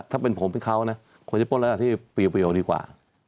ถ้าเป็นผมเป็นเขาควรจะป้นแล้วที่ปรีวออกดีกว่า